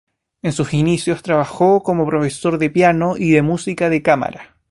En sus inicios trabajó como profesor de piano y de música de cámara.